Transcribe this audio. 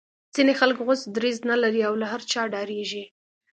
ځینې خلک غوڅ دریځ نه لري او له هر چا ډاریږي